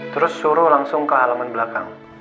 terus suruh langsung ke halaman belakang